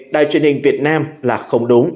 đài truyền hình việt nam là không đúng